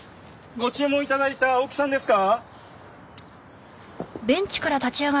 ご注文頂いた青木さんですか？